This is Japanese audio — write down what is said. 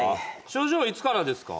症状はいつからですか？